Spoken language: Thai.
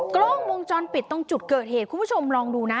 กล้องวงจรปิดตรงจุดเกิดเหตุคุณผู้ชมลองดูนะ